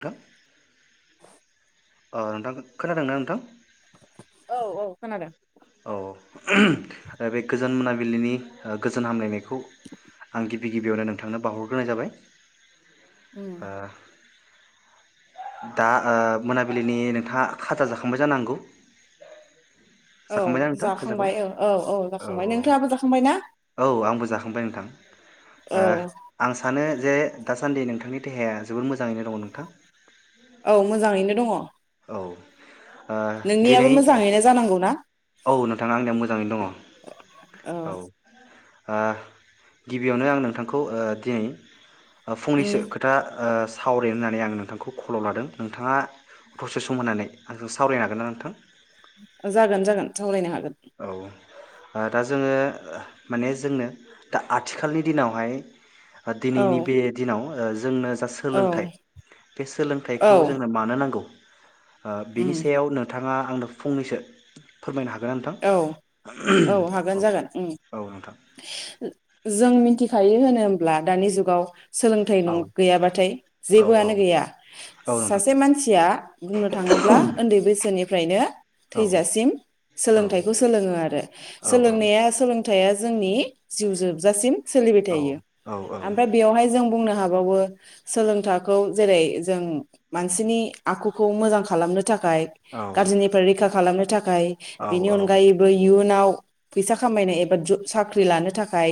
थां अ नोंथां खोनादोंना नोंथां? औ औ खोनादों। औ [unintelligible] बे गोजोन मोनाबिलिनि ओ गोजोन हामलायनाय [unintelligible] गिबि गिबियावनो नोंथांनो बाउहरग्रोनाय जाबाय। ओ उम दा ओ मोनाबिलिनि नोंथाङा खाजा जाखांबाय जानांगौ? औ जाखांबायना नोंथां खाजाखौ जाखांबाय औ औ औ जाखांबाय नोंथाङाबो जाखांबाय ना औ औ आंबो जाखांबाय नोंथां औ ओ आं सानो जे दासान्दि नोंथांनि देहाया जोबोर मोजाङैनो दङ नोंथां? औ मोजाङैनो दङ। औ ओ नोंनियाबो दिनै मोजाङैनो जानांगौ ना औ नोंथां आंनिया मोजाङैनो दङ औ। औ ओ गिबियावनो आं नोंथांखौ ओ दिनै उम फंनैसो खोथा ओ थावरायनो होननानै आं नोंथांखौ खलाव लादों नोंथाङा दसे सम होननानै आंजों सावरायनो हागोन ना नोंथां? जागोन जागोन सावरायनो हाग औ ओ दा जोङो माने जोंनो दा आथिखालनि दिनावहाय ओ औ दिनैनि बे दिनाव ओ जोंनो जा औ सोलोंथाइ बे औ सोलोंथाइखौ जोंनो मानो नांगौ? ओ उम बिनि सायाव नोंथाङा आंनो फंनैसो फोरमायनो हागो ना नोंथां? औ औ हागोन जागोन ओम। औ नोंथां जों मिथिखायो होनो होमब्ला दानि जुगाव सोलोंथाइ औ नं गैयाबाथाय औ जेबोआनो गैया औ नोंथां सासे मानसिया बुंनो थाङोब्ला ओन्दै बैसोनि फ्रायनो औ थैजासिम औ सोलोंथाइखौ सोलोङो आरो औ सोलोंनाया सोलो [unintelligible] थाइआ जोंनि जिउ जोबजासिम सोलिबाय औ थायो औ औ आमफ्राय बेवहाय जों बुंनो हाबावो सोलोंथाखौ जेरै जों मानसिनि आखुखौ मोजां खालामनो थाखाय गाज्रिनिफ्राय रैखा खालामनो थाखाय बेनि अनगायैबो इयुन उनाव फैसा खामायनाय एबा साख्रि लानो थाखाय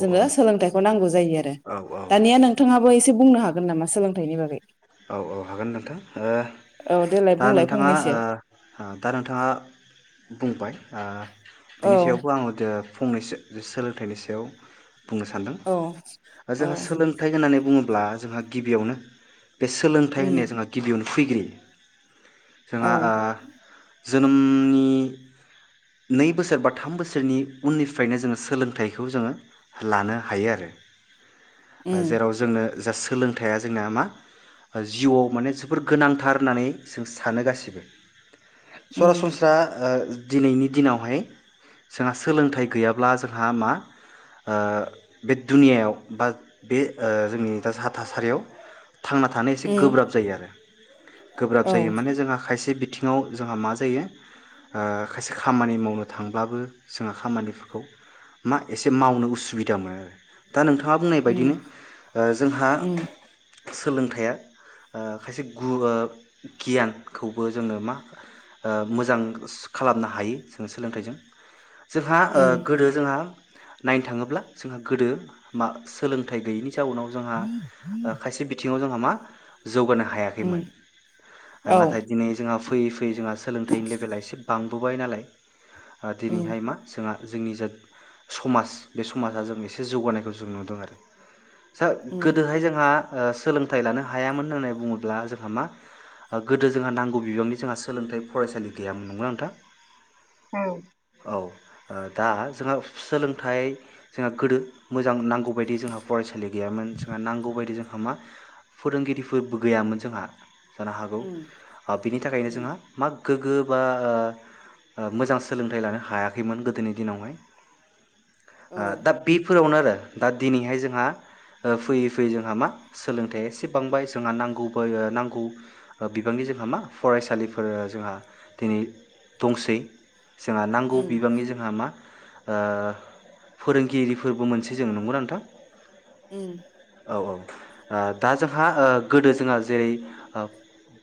जोङो सोलोंथाइखौ नांगौ जायो आरो औ औ दानिया नोंथाङाबो एसे एसे बुंनो हागोन नामा सोलोंथाइनि बागै औ औ हागोन नोंथां औ देलाय दा बुंलाय नोंथाङा फंनैसो दा नोंथाङा बुंबाय औ बिनि सायावबो आङोदो फंनैसो सोलोंथाइनि सायाव बुंनो सानदों औ औ जोंहा सोलोंथाइ होननानै बुङोब्ला अब्ला जोंहा गिबियावनो बे सोलोंथाइ उम होननाय जोंहा गिबियावनो फैग्रोयो औ जोंहा ओ जोनोमनि नै बोसोर बा थाम बोसोरनि उननिफ्रायनो जोङो सोलोंथाइखौ जोङो लानो हायो आरो उम जेराव जोंनो जास सोलोंथाइा जोंना मा? जिउआव माने जोबोर गोनांथार होननानै जों सानो गासैबो उम सरासनस्रा ओ दिनैनि दिनावहाय जोंहा सोलोंथाइ गैयाब्ला जोंहा मा ओ बे दुनियायाव बा बे जोंनि दा जहा थासारियाव थांना थानो एसे उम गोब्राब जायो आरो गोब्राब औ जायो माने जोंहा खायसे बिथिंआव जोंहा मा जायो ओ खायसे खामानि मावनो थांब्लाबो जोंहा खामानिफोरखौ मा एसे मावनो उसुबिदा मोनो आरो दा नोंथाङा बुंनाय उम बायदिनो ओ जोंहा उम सोलोंथाइया ओ खायसे गु ओ गियानखौबो जोङो मा ओ मोजां खालामनो हायो जोङो सोलोंथाइजों जोंहा ओ उम गोदो जोंहा नायनो थाङोब्ला जोंहा गोदो मा सोलोंथाइ गैयैनि जाउनाव जोंहा ओ बिथिङाव जोंहा मा जौगानो हायाखैमोन उम आरो औ नाथाय दिनै जोंहा फैयै फैयै जोंहा सोलोंथाइनि लेभेला एसे बां बोबाय नालाय ओ उम दिनैहाय मा जोंहा जोंनि जा समाज बे समाजा जों एसे जौगानायखौ जों नुदों आरो सा उम गोदोहाय जोंहा ओ सोलोंथाइ लानो हायामोन होननानै बुङोब्ला जोंहा मा ओ गोदो जोंहा नांगौ बिबांनि जोंहा सोलोंथाइ फरायसालि गैयामोन नंगोना नोंथां? औ औ ओ दा जोंहा सोलोंथाइ जोंहा गोदो मोजां नांगौ बायदि जोंहा फरायसा फालि गैयामोन जोंहा नांगौ बायदि जों होमा फोरोंगिरिफोरबो गैयामोन जोंहा। रागौ हागौ उम बिनि थाखायनो उम जोंहा मा गोग्गो बा ओ ओ मोजां सोलोंथाइ लानो हायाखैमोन गोदोनि दिनावहाय। औ ओ दा बिब फोरावनो आरो दा दिनैहाय जोंहा ओ फैयै फैयै जोंहा मा सोलोंथाइया एसे बांबाय जोंहा नांगौबो नांगौ बिबांनि जोंहा मा फरायसालिफोर जोंहा दिनै दंसै। जोंहा नांगौ उम बिबांनि जोंहा मा। ओ फोरोंगिरिफोरबो मोनसे जों नंगौ नोंथां। उम औ औ ओ दा जोंहा ओ गोदो जोंहा जेरै ओ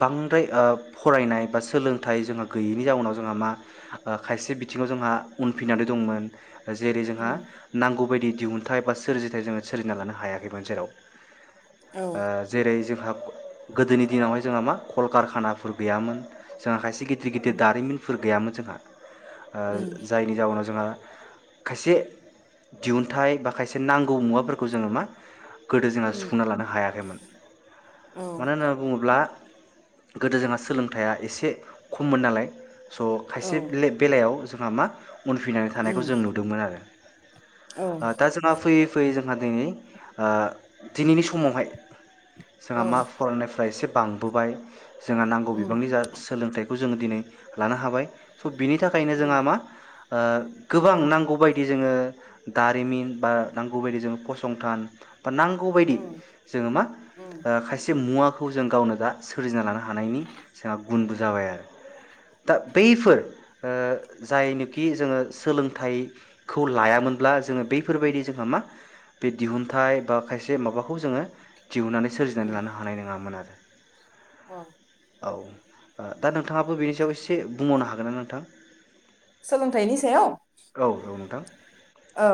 बांद्राय ओ फरायनाय बा सोलोंथाइ जोंहा गैयैनि जाउनाव जोंहा मा ओ खायसे बिथिङाव जोंहा उनफिननानै दंमोन जेरै जोंहा उम नांगौ बायदि। दिहुनथाइ बा सोरजिथाइ जोङो सोरोजिना लानो हायाखैमोन जेराव औ ओ जेरै जोंहा गोदोनि दिनावहाय जोंहा मा कलकारखानाफोर गैयामोन जोंहा खायसे गिदि गिदिर गिदिर उम दारिमिनफोर गैयामोन। जोंहा उम ओ जायनि जाउनाव जोंहा खायसे दिहुनथाइ बा खायसे नांगौ मुवाफोरखौ जोङो मा गोदो जोंहा उम सुफुंना लानो। हायाखैमोन औ मानो होना बुङोब्ला गोदो जोंहा सोलोंथाइया एसे खममोन नालाय स औ खायसे ले -बेलायाव जोंहा मा उनफैनानै थानायखौ उम जों नुदोंमोन आरो औ दा जोंहा फैयै फैयै जों दिनै दिनैनि समावहाय जोंहा औ मा फरायनायफ एसे- बांबोबाय जोंहा नांगौ उम बिबांनि जा जोङो दिनै लानो हाबाय। - बिनि थाखायनो उम जोंहा मा गोबां उम नांगौ बायदि जोङो जारिमिन बा नांगौबायदि जोङो फसंथान नांगौबायायदि उम जोङो मा उम खायसे मुवा खौ जों गावनो दा सोरजिना लानो हानायनि जोंहा गुनबो जाबाय आरो दा बेफोर ओ जायनोखि जोङो सोलोंथाइखौ लायामोनब्ला जोङो बैफोरबायदि जोंहा मा बि दिहुनथाइ बा खायसे माबाख खौ जोङो दिहुननानै सोरजिनानै उम लानो हानाय नङामोन आरो औ औ दा नोंथाङाबो बेनि सायाव एसे बुंबावनो हागोन ना नोंथां। सोलोंथाइनि सायाव? औ औ नोंथां औ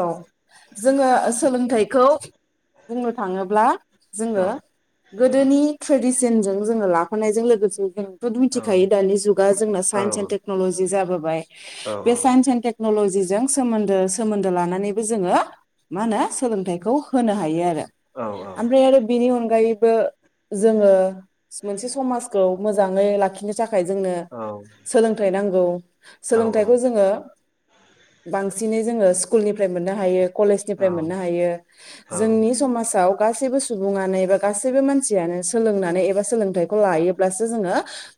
जोङो सोलोंथाइखौ बुंनो थाङोब्ला औ जोङो गोदोनि ट्रेडिसनजों जोङो लाफायजों लोगोसे जों औ मिथिखायो दानि जुगा जोंना औ साइन्स एनद टेनलजि जाबो बाय। औ बे सायन्स एन्द टेक्नलजि जों सोमोन्दो सोमोन्दो लानानैबो जोङो मा होनो सोलोंथाइखौ होनो हायो आरो औ आफ्राय आरो बिनि अन नगायैबो जोङो मोनसे समाजखौ मोजाङै लाखिनो थाखा खाय जोंनो सोलोंथाइ नांगौ औ सोलोंथाइखौ औ जोङो बांसिनै जोङो स्कुलनिफ्राय मोननो हायो। कलेज निफ्राय मोननो औ हायो जोंनि समाजाव गासैबो सुबुङानो एबा गासैबो मानसियानो सोलोंनानै एबा सोलोंथाइखौ लायोब्लासो जोङो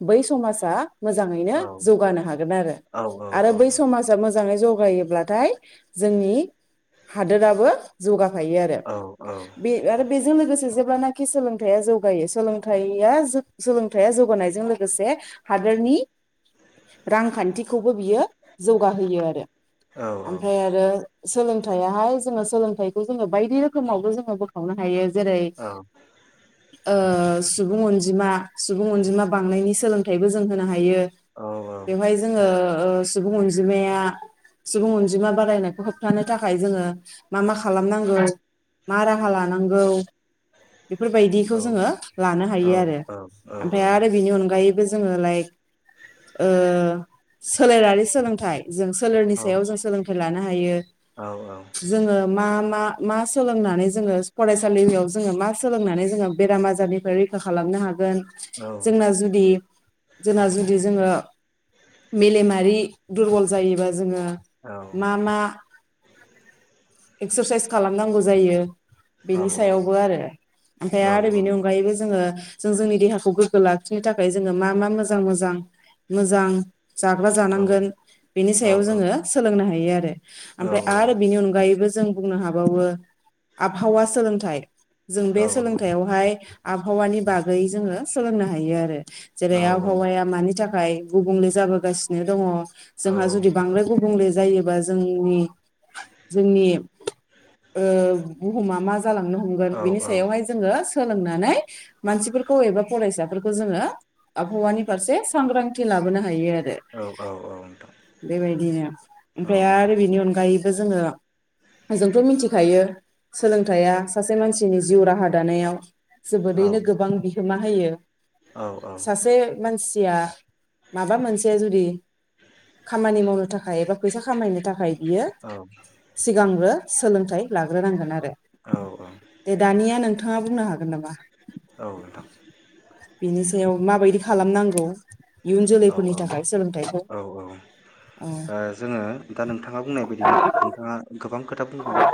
बै समाजा। मोजाङैनो औ जौगानो हागोन आरो आरो बै समाजा मोज मोजांयै जगायोब्लाथाय जोंनि हादोराबो जौगाख खांफा आरो आरो बेजों लोगोसे जेब्लानखि सोलोंथाइया जौगायो सोलों सोलोंथाइया जौगानायजों लोगोसे हादोरनि रांखान्थिखौबो बियो जौगाहोयो आरो औ औ। सोलोंथाइाहाय जोङो सोलोंथाइ थाइखौ जो बायदि रोखोमावबो जो बो खावनो हायो जेरै ओ सुबुं अनजिमा सुबुं अनजिमा बांनायनि सोलोंथायाइबो जों होनो हायो। हायो बेवहाय जोंङो ओ सुबुं अनजिमाया सुबुं अनजिमा बारायन खौ होबथानो थाखाय जोंङो मा मा खालामनांगौ मा राहा लानांगौ बेफोरबायदिखौ जोङो लानो हायो आरो ओमफ्राय आरो बेनि अनगायै बे जोंङो लाइक सोलेरारि सोलोंथाइ जों सोलोंनि सायाव जों सोलों लाना हायो औ औ जोंङो मा मा मा सोलोंनानै जोंङो फरायसालियाव जोंङो मा सोलोंनानै जोंङो बेराम आजारनिफ्राय रैखा खालामनो हागोन। जोङो जोंना जुदि जोंना जुदि जोंङो मेलेमारि दुरबल जायोबा जोंओ मा एक्सारसाइस खालामनांगौ जायो बेनि सायावबो आरो ओमफ्राय आरो बेनि अनगायैबो जोंङो जों जोंनि देहाखौ गोग्गो लाखिनो थाखाय जोंङो मा मा मोजां मोजां मोजां जाग्रा जानांगोन बेनि सायाव जोंङो सोलोंनो हायो। हायो आरो ओमफ्राय आरो आरो बिनि अनगायोबो जों बुंनो हाबावो आबहावा सोलोंथाइ जों बे सोलोंथायाइयावहाय आबहावानि बागै जोंङो सोलोंनो हायो आरो जेरै आबवहाया मानि थि [unintelligible] गुबुंले जाबोगासिनो दंङ जोंहा जुदि बांद्राय गुबु गुबुंले जायोबा जोंनि जोंनि ओ बुहुमा मा जा जालांनो हमगोन बिनि सायावहाय जोंङो सोलोंनानै मानसिफोरखौ एबा फरायसाफोरखौ जोंङो आबहावानि फारसे सांग्रांथि लाबोनो हायो आरो औ औ औ नोंथां बेबायदिनो ओमफ्राय औ आरो बेनि अनगायैबो जोंङो जोंथ मिथिखायो सोलोंथाइया सासे मानसिनि जिउ राहा दानायाव जोबोरैनो गोबां बिहोमा होयो सासे मानसि माबा मोनसे जुदि खामानि मावनो थाखाय एबा फैसा खामायनो थाखाय बियो सिगांग्रो सोलोंथाइ लाग्रोनांगोन आरो दे दानिया नोंथाङा बुंनो हागोन नामा औ नोंथां बिनि सायाव माबायदि खालामनांगौ इयुन जोलैफोरनि थाखाय सोलोंथाइखौ दा नोंथाङा बुंनाय बायदिनो नोंथाङा गोबां खोथा बुंबोबाय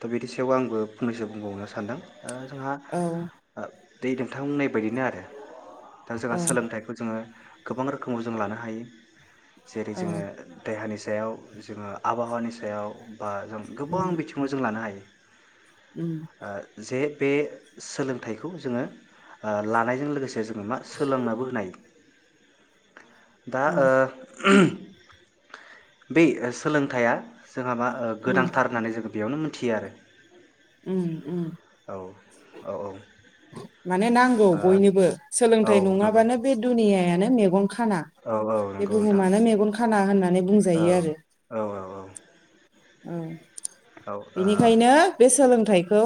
दा बिनि सायाव आंबो फंनैसो बुंबावनो सानदों ओ जोंहा औ दे नोंथां बुंननाय बायदिनो आरो दा जोंहा औ सोलोंथाइखौ गोबां रोखोमाव जों लानो हायो जेरै औ जोङो देहानि सायाव जोङो आबहावानि सायाव बा जों गोबां उम बिथिङाव जों लानो हायो उम ओ जे बे सोलोंथाइखौ जोङो ओ लानायजों लोगोसे जों मा सोलोंनाबो होनाय दा उम ओ बे सोलोंथाइया जोंहा मा ओ उम गोनांथार होननानै जो बेयावनो मोनथियो आरो औ [unintelligible] औ माने नांगौ बयनोबो ओ औ सोलोंथाइ नंगौ नङाबानो बे दुनियानो मैगं खाना औ औ बे नंगौ नोंथां बुहुमानो मेगन खाना होन औ औ औ औ ओं औ ओ औ बेनिखायनो बे सोलों गथाइखौ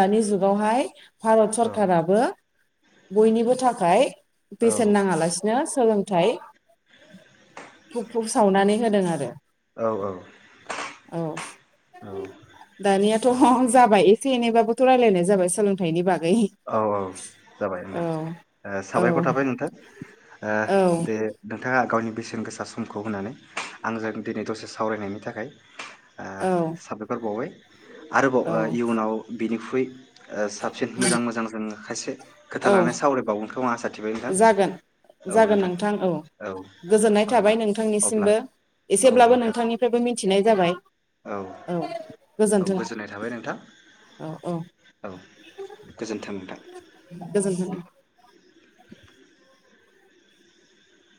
दानि जुगावहाय भारत औ सरकाराबो बयनिबो थाखाय बेसेन नाङालासिनो सोलोंथाइ हु-हु-सावनानै होदों आरो। औ औ औ दानियाथ' जाबाय एसे एनैबाबोथ' रायलायनाय जाबाय सोलोंथ थायनि बा औ औ जाबाय नोंथां औ साबायखर थाबाय नोंथां औ ओ दे नोंथाङा गावनि बेसेन गोसा समखौ होनानै आंजों दिनै दसे सावरायनायनि थाखाय ओ औ साबायखर बावबाय आरोबाव औ ओ इयुनाव बिनिख्रुइ ओ मोजां मोजां जोङो खासे खोथा औ लानानै सावरायबावनो [unintelligible] जागोन जागोन नोंथां औ गोजोननाय थाबाय नोंथां अब्ला नोंथांनिसिमबो औ एसेब्लाबो नोंथां नोंथांनिफ्रायबो मिथिनाय जाबाय औ औ गोजोन्थों गोजोननाय थाबाय नोंथां औ औ। औ गोजोन्थों नोंथां गोजोनथों